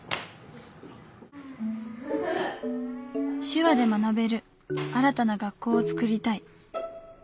手話で学べる新たな学校をつくりたい。